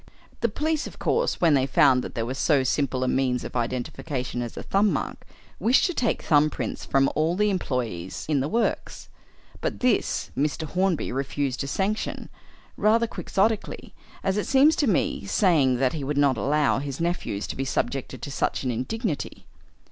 The police, of course, when they found that there was so simple a means of identification as a thumb mark, wished to take thumb prints of all the employees in the works; but this Mr. Hornby refused to sanction rather quixotically, as it seems to me saying that he would not allow his nephews to be subjected to such an indignity.